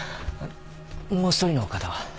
もう一人の方は？